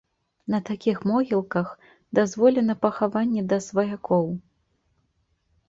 На такіх могілках дазволена пахаванне да сваякоў.